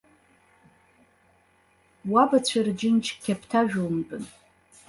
Уабацәа рџьынџь қьаԥҭажәумтәын.